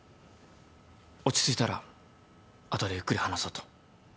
落ち着いたら後でゆっくり話そうと。